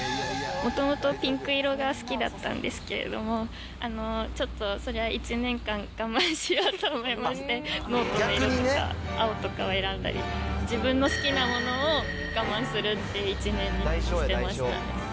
もともとピンク色が好きだったんですけれども、ちょっと１年間我慢しようと思いまして、ノートの色とか、青とかを選んだり、自分の好きなものを我慢するって１年にしてましたね。